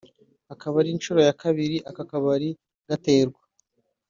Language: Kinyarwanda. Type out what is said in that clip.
ikaba ari inshuro ya kabiri aka kabari gaterwa